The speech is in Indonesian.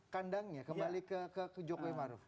kandangnya kembali ke jokowi maruf